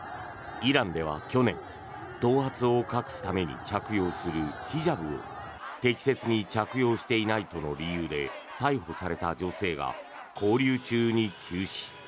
イランでは去年頭髪を隠すために着用するヒジャブを適切に着用していないとの理由で逮捕された女性が勾留中に急死。